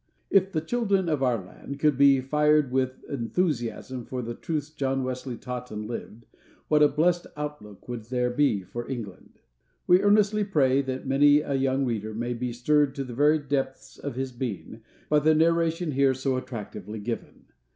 If the children of our land could be fired with enthusiasm for the truths John Wesley taught and lived, what a blessed outlook would there be for England! We earnestly pray, that many a young reader may be stirred to the very depths of his being, by the narration here so attractively given.